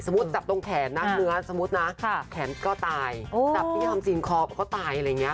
จับตรงแขนนะเนื้อสมมุตินะแขนก็ตายจับที่ยอมจริงคอก็ตายอะไรอย่างนี้